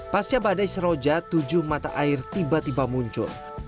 pasca badai seroja tujuh mata air tiba tiba muncul